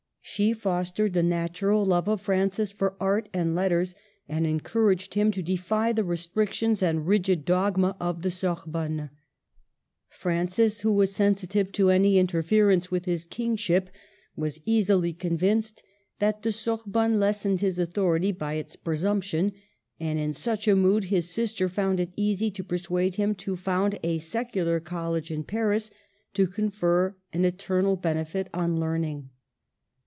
She fostered the natural love of Francis for art and letters, and encouraged him to defy the restrictions and rigid dogma of the Sorbonne. Francis, who was sensitive to any interference with his king ship, was easily convinced that the Sorbonne lessened his authority by its presumption ; and in such a mood his sister found it easy to per suade him to found a secular college in Paris, to confer an eternal benefit on Learning.